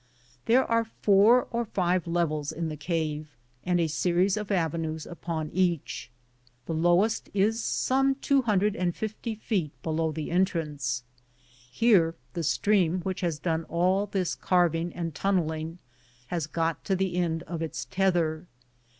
There are four or five levels in the cave, and a series of avenues upon each. The lowest is some two hundred and fifty feet below the en trance. Here the stream which has done all this carving and tunneling has got to the end of its tether.